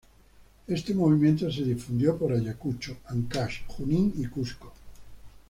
Este movimiento se difundió por Ayacucho, Ancash, Junín, Cusco.